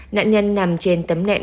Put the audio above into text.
nạn nhân nằm trên tấm nệm